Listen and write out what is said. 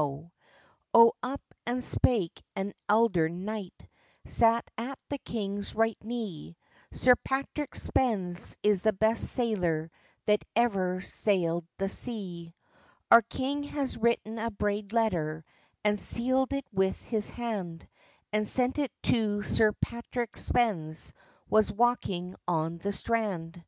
O up and spake an eldern knight, Sat at the king's right knee: "Sir Patrick Spens is the best sailor That ever saild the sea." Our king has written a braid letter, And seald it with his hand, And sent it to Sir Patrick Spens, Was walking on the strand.